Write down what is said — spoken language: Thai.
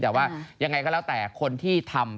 แต่ว่ายังไงก็แล้วแต่คนที่ทำ